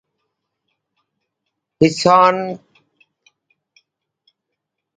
His son Fanon Hutchinson is an amateur videographer and occasional producer of short films.